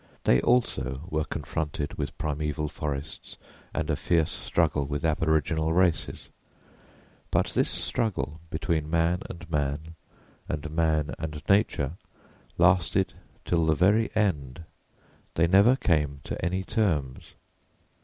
They also were confronted with primeval forests and a fierce struggle with aboriginal races. But this struggle between man and man, and man and nature lasted till the very end; they never came to any terms.